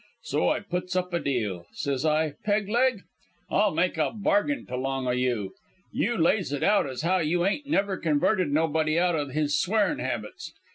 So I puts up a deal. Says I: 'Peg leg, I'll make a bargint along o' you. You lays it out as how you ain't never converted nobody out o' his swearin' habits.